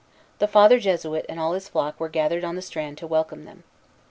The Father Jesuit and all his flock were gathered on the strand to welcome them.